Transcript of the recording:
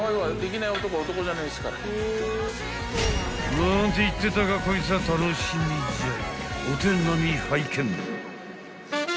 ［なんて言ってたがこいつは楽しみじゃい］